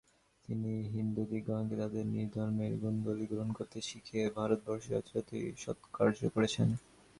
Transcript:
তিনি হিন্দুদিগকে তাদের নিজ ধর্মের গুণগুলি গ্রহণ করতে শিখিয়ে ভারতবর্ষে যথার্থই সৎকার্য করেছেন।